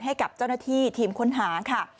ให้กับเจ้าหน้าที่ทีมค้นหาค่ะ